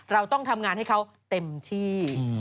เราต้องทำงานให้เขาเต็มที่